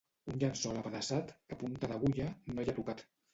Un llençol apedaçat que punta d'agulla no hi ha tocat.